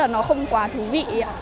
nó không quá thú vị